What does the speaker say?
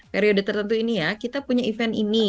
periode tertentu ini ya kita punya event ini